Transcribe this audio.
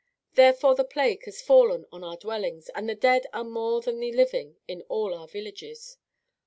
Therefore the plague has fallen on our dwellings, and the dead are more than the living in all our villages.